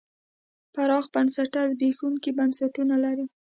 پراخ بنسټه زبېښونکي بنسټونه لري.